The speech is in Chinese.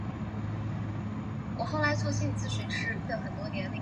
国家博物馆是由国家进行维护的博物馆。